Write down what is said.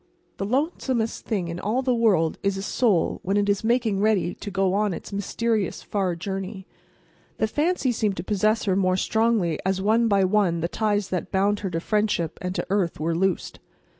The lonesomest thing in all the world is a soul when it is making ready to go on its mysterious, far journey. The fancy seemed to possess her more strongly as one by one the ties that bound her to friendship and to earth were loosed.